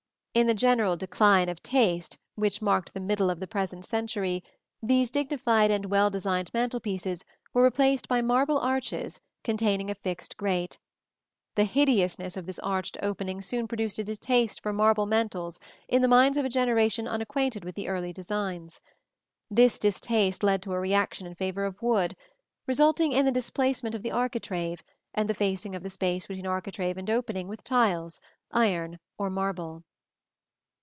In the general decline of taste which marked the middle of the present century, these dignified and well designed mantel pieces were replaced by marble arches containing a fixed grate. The hideousness of this arched opening soon produced a distaste for marble mantels in the minds of a generation unacquainted with the early designs. This distaste led to a reaction in favor of wood, resulting in the displacement of the architrave and the facing of the space between architrave and opening with tiles, iron or marble.